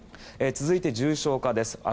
続いて重症化です。